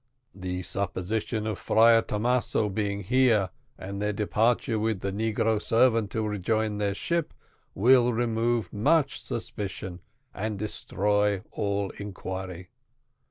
The supposition of Friar Thomaso being here, and their departure with the negro servant to rejoin their ship, will remove much suspicion and destroy all inquiry.